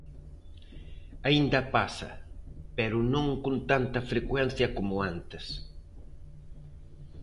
Aínda pasa, pero non con tanta frecuencia como antes.